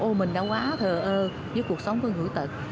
ôi mình đã quá thờ ơ với cuộc sống của người khuyết tật